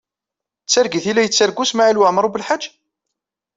D targit ay la yettargu Smawil Waɛmaṛ U Belḥaǧ?